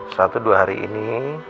satu dua hari ini